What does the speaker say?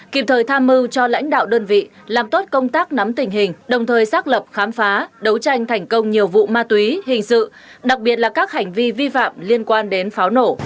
kịp thời tham mưu cho lãnh đạo đơn vị làm tốt công tác nắm tình hình đồng thời xác lập khám phá đấu tranh thành công nhiều vụ ma túy hình sự đặc biệt là các hành vi vi phạm liên quan đến pháo nổ